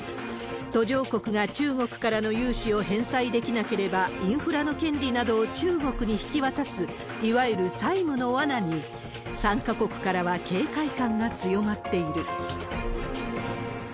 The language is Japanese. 途上国が中国からの融資を返済できなければ、インフラの権利などを中国に引き渡す、いわゆる債務のわなに、参加国からは警戒感が強まっている。